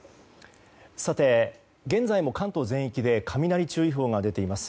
現在も関東全域で雷注意報が出ています。